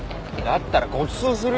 だったらごちそうするよ！